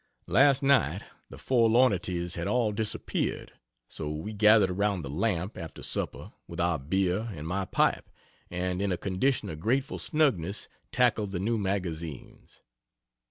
Last night the forlornities had all disappeared; so we gathered around the lamp, after supper, with our beer and my pipe, and in a condition of grateful snugness tackled the new magazines.